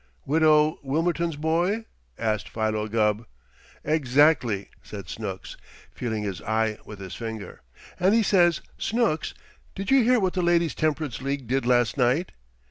"Widow Wilmerton's boy?" asked Philo Gubb. "Exactly!" said Snooks, feeling his eye with his finger. "And he says, 'Snooks, did you hear what the Ladies' Temperance League did last night?'